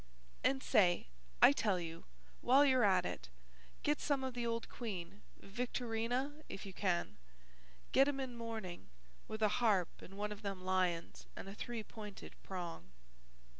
"And say, I tell you, while you're at it, get some of the old queen, Victorina, if you can. Get 'em in mourning, with a harp and one of them lions and a three pointed prong."